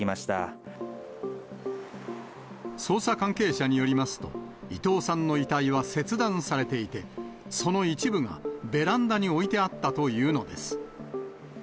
捜査関係者によりますと、伊藤さんの遺体は切断されていて、その一部がベランダに置いてあったというのです。